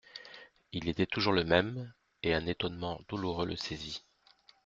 Il était toujours le même ; et un étonnement douloureux le saisit.